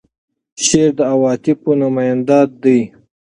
شعر د عواطفو نماینده دی.